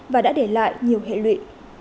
và đã để lại nhiều hệ lụy